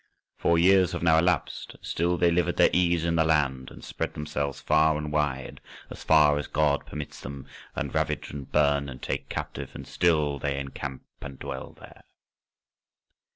Four years have now elapsed, and still they live at their ease in the land, and spread themselves far and wide, as far as God permits them, and ravage and burn and take captive, and still they encamp and dwell there."